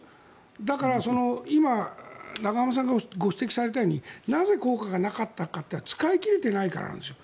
だから、今永濱さんがご指摘されたようになぜ効果がなかったかって使い切れてないからなんですよ。